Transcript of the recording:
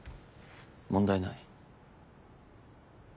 問題ない。